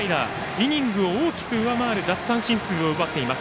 イニングを大きく上回る奪三振数を奪っています。